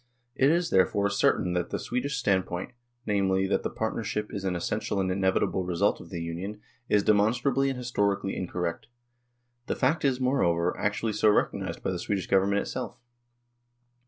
It is, therefore, certain that the Swedish standpoint, namely, that the partnership is an essential and inevitable result of the Union, is demonstrably and historically incorrect ; that fact is, moreover, actually so recognised by the Swedish Government itself.